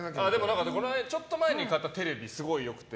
ちょっと前に買ったテレビすごく良くて。